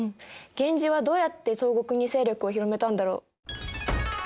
源氏はどうやって東国に勢力を広めたんだろう？